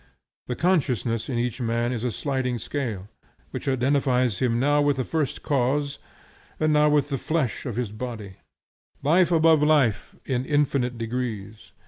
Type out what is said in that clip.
The consciousness in each man is a sliding scale, which identifies him now with the First Cause, and now with the flesh of his body; life above life, in infinite degrees.